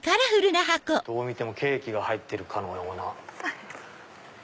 どう見てもケーキが入ってるかのような箱ですけど。